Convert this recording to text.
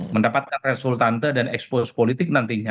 mendapatkan resultante dan expose politik nantinya